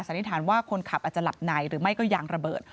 นิษฐานว่าคนขับอาจจะหลับในหรือไม่ก็ยางระเบิด